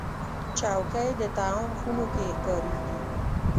چوکۍ د طعام خونو کې کارېږي.